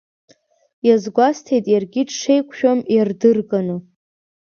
Иазгәасҭеит иаргьы дшеиқәшәам иардырганы.